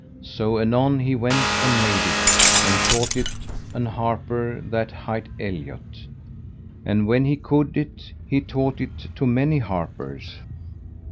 So anon he went and made it, and taught it an harper that hight Eliot. And when he could it, he taught it to many harpers.